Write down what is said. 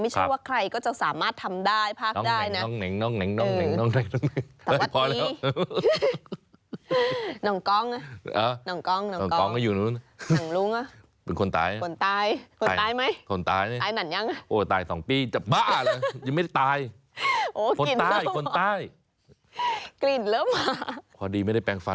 ไม่ใช่ว่าใครก็จะสามารถทำได้ภาคได้นะ